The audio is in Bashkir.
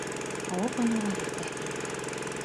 Һыуыҡ ғинуар иртәһе ине.